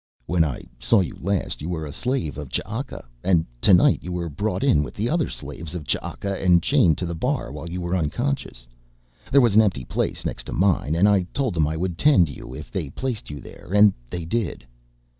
"When I saw you last you were a slave of Ch'aka, and tonight you were brought in with the other slaves of Ch'aka and chained to the bar while you were unconscious. There was an empty place next to mine and I told them I would tend you if they placed you there, and they did.